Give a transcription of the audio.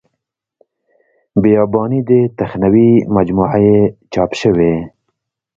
بیاباني دې تخنوي مجموعه یې چاپ شوې.